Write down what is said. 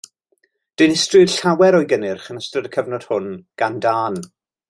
Dinistriwyd llawer o'i gynnyrch yn ystod y cyfnod hwn gan dân.